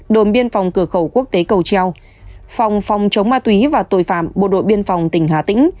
đồn biên phòng cửa khẩu quốc tế cầu treo phòng phòng chống ma túy và tội phạm bộ đội biên phòng tỉnh hà tĩnh